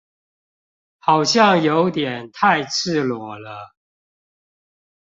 好像有點太赤裸了